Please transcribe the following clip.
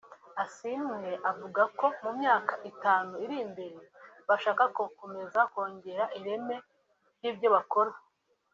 Asiimwe avuga ko mu myaka itanu iri imbere bashaka gukomeza kongera ireme ry’ibyo bakora